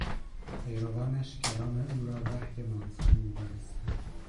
پیروانش کلام او را وحی منزل میدانستند.